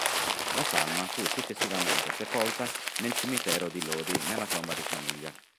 La salma fu successivamente sepolta nel cimitero di Lodi, nella tomba di famiglia.